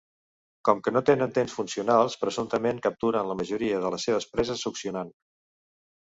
Com que no tenen dents funcionals, presumptament capturen la majoria de les seves preses succionant.